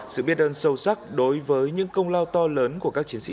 sự biết ơn sâu sắc đối với những công lao to lớn của các chiến sĩ